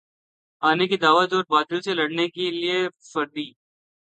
آنے کی دعوت اور باطل سے لڑنے کے لیے فردی